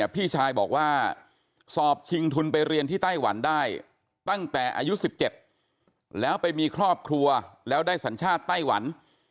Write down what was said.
ตั้งแต่อายุ๑๗แล้วไปมีครอบครัวแล้วได้สัญชาติไต้หวัน